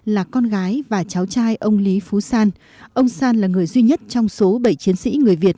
là con gái và cháu trai ông lý phú san ông san là người duy nhất trong số bảy chiến sĩ người việt